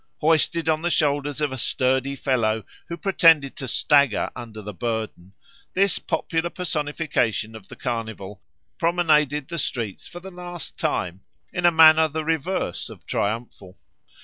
Hoisted on the shoulders of a sturdy fellow, who pretended to stagger under the burden, this popular personification of the Carnival promenaded the streets for the last time in a manner the reverse of triumphal.